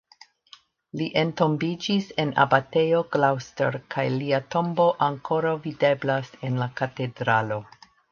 Li entombiĝis en Abatejo Gloucester kaj lia tombo ankoraŭ videblas en la katedralo.